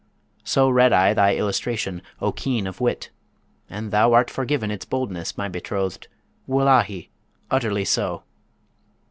So read I thy illustration, O keen of wit! and thou art forgiven its boldness, my betrothed, Wullahy! utterly so.'